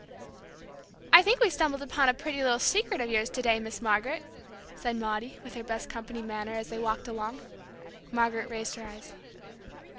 "I think we stumbled upon a pretty little secret of yours to day, Miss Margaret," said Maudie, with her best company manner, as they walked along. Margaret raised her eyebrows.